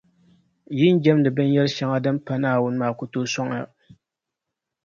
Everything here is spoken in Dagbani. Yi ni jεmdi binyɛr’ shɛŋa din pa Naawuni maa ku tooi sɔŋ ya.